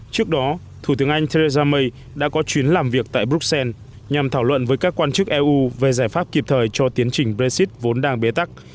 trước đó thủ tướng anh theresa may đã có chuyến làm việc tại bruxelles nhằm thảo luận với các quan chức eu về giải pháp kịp thời cho tiến trình brexit vốn đang bế tắc